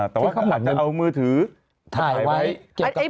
แต่ว่าอาจจะเอามือถือถ่ายไว้